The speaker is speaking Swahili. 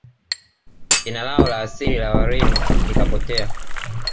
Jina lao la asili la Warimi likapotea